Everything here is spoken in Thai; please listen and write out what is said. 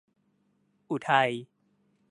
อุทัย